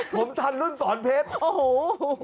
ผมทันรุ่นสอนเพชร